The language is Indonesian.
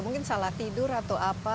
mungkin salah tidur atau apa